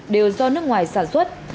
đều do nước ngoài sản xuất